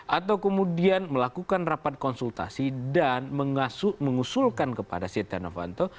atau kemudian melakukan rapat konsultasi dan mengusulkan kepada setia novanto